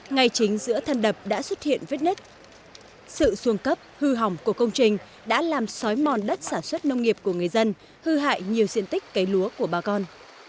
ngay chính giữa thân đập đã xuất hiện vết nứt sự xuống cấp hư hỏng của công trình đã làm sói mòn đất sản xuất nông nghiệp của người dân hư hại nhiều diện tích cấy lúa của bà con